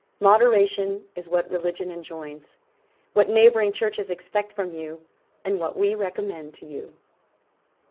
Moderation is what religion enjoins, what neighbouring Churches expect from you, and what we recommend to you."